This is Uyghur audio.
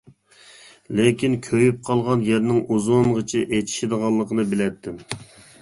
لېكىن كۆيۈپ قالغان يەرنىڭ ئۇزۇنغىچە ئېچىشىدىغانلىقىنى بىلەتتىم.